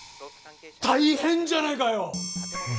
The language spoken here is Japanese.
大変じゃないかよ！